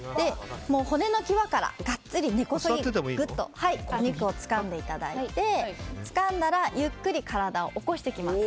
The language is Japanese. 骨の際から、ガッツリ根こそぎお肉をつかんでいただいてつかんだらゆっくり体を起こしていきます。